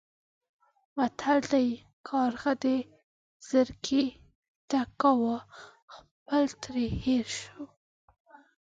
متل دی: کارغه د زرکې تګ کاوه خپل ترې هېر شو.